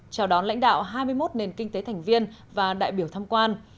chào đón lãnh đạo hai mươi một nền kinh tế thành viên và đại biểu tham quan